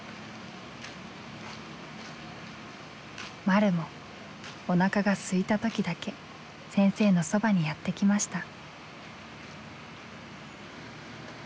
まるもおなかがすいた時だけ先生のそばにやって来ました。